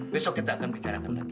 besok kita akan bicarakan lagi